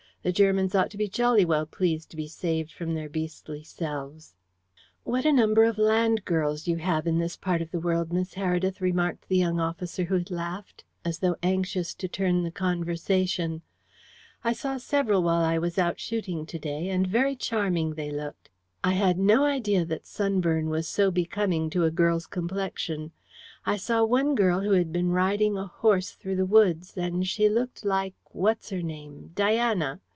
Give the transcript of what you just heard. The Germans ought to be jolly well pleased to be saved from their beastly selves." "What a number of land girls you have in this part of the world, Miss Heredith," remarked the young officer who had laughed, as though anxious to turn the conversation. "I saw several while I was out shooting to day, and very charming they looked. I had no idea that sunburn was so becoming to a girl's complexion. I saw one girl who had been riding a horse through the woods, and she looked like what's her name Diana.